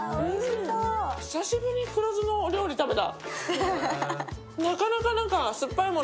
久しぶりに黒酢のお料理食べた。